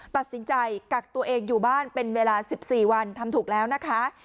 ตัดสินใจกักตัวเองอยู่บ้านเป็นเวลา๑๔วันทำถูกแล้วนะคะ